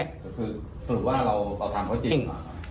ก็คือสรุปว่าเราทำเขาจริง